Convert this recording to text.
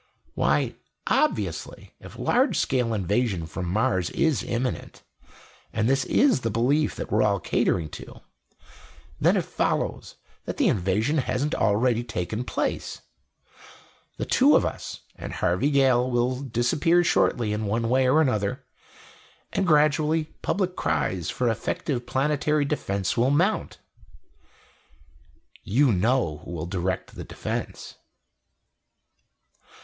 "Why, obviously, if large scale invasion from Mars is imminent and this is the belief that we're all catering to then it follows that the invasion hasn't already taken place. The two of us, and Harvey Gale, will disappear shortly in one way or another, and gradually public cries for effective planetary defense will mount. "You know who will direct the defense."